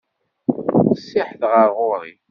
Qessiḥet ɣer ɣur-i.